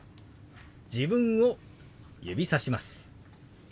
自分を指さします。